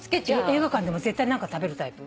映画館でも絶対何か食べるタイプ？